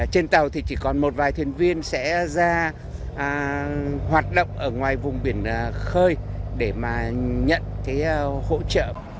trên tàu thì chỉ còn một vài thuyền viên sẽ ra hoạt động ở ngoài vùng biển khơi để mà nhận hỗ trợ